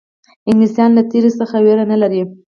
انګلیسیان له تېري څخه وېره نه لري.